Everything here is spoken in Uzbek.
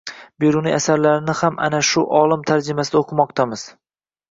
Beruniy asarlarini ham ana shu olim tarjimasida o`qimoqdamiz